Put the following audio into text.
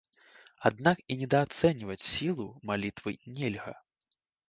Аднак і недаацэньваць сілу малітвы нельга.